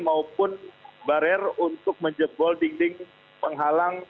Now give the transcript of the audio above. maupun barier untuk menjebol dinding penghalang